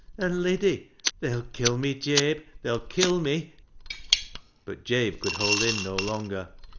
An' Liddy !— they'll kill me, Jabe, they'll kill me." But Jabe could hold in no longer.